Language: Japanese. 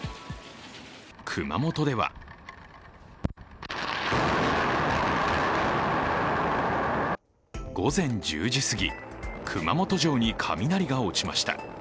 熊本では午前１０時過ぎ、熊本城に雷が落ちました。